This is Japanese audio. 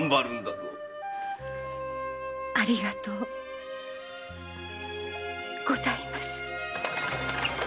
ありがとうございます。